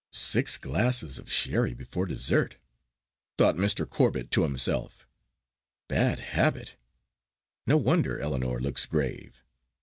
"Six glasses of sherry before dessert," thought Mr. Corbet to himself. "Bad habit no wonder Ellinor looks grave."